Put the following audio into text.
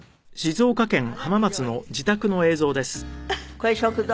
これ食堂？